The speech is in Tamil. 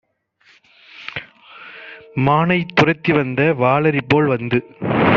மானைத் துரத்திவந்த வாளரிபோல் வந்து